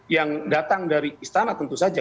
yang datang dari istana tentu saja